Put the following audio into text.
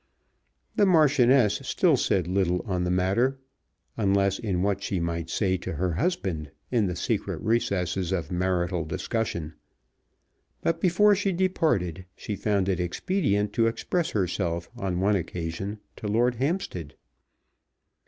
The Marchioness still said little on the matter, unless in what she might say to her husband in the secret recesses of marital discussion; but before she departed she found it expedient to express herself on one occasion to Lord Hampstead.